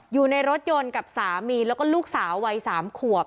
อยู่ในรถยนต์กับสามีแล้วก็ลูกสาววัย๓ขวบ